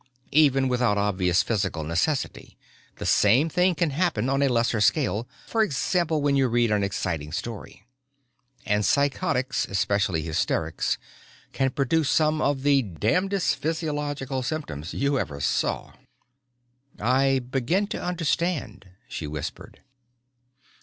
Even without obvious physical necessity the same thing can happen on a lesser scale for example when you read an exciting story. And psychotics, especially hysterics, can produce some of the damnedest physiological symptoms you ever saw." "I begin to understand," she whispered.